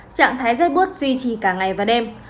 trạng thái rét bút duy trì cả ngày và đêm